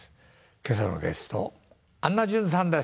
今朝のゲスト安奈淳さんです。